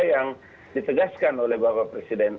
yang ditegaskan oleh bapak presiden